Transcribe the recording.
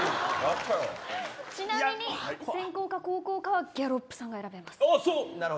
ちなみに先攻か後攻かはギャロップさんが選べます。